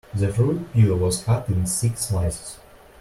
The fruit peel was cut in thick slices.